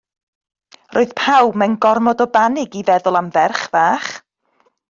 Roedd pawb mewn gormod o banig i feddwl am ferch fach.